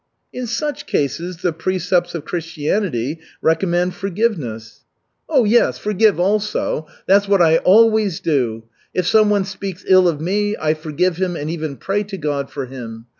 "In such cases the precepts of Christianity recommend forgiveness." "Yes, forgive also. That's what I always do. If someone speaks ill of me, I forgive him and even pray to God for him.